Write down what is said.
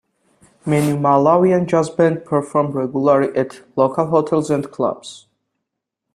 Many Malawian Jazz band perform regularly at local hotels and clubs.